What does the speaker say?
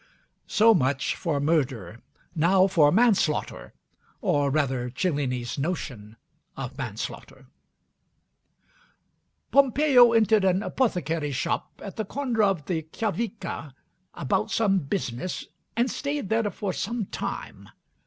So much for murder. Now for manslaughter, or rather Cellini's notion of manslaughter. "Pompeo entered an apothecary's shop at the corner of the Chiavica, about some business, and stayed there for some time.